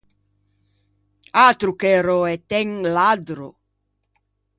Atro che eröe, t’ê un laddro!